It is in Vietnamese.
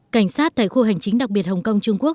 cảnh sát tại khu hành chính đặc biệt hồng kông trung quốc